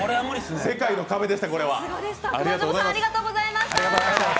世界の壁でした、これは。